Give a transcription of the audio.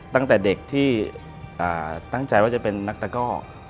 ตั้งแต่เด็กที่ตั้งใจว่าจะเป็นนักตะก้อ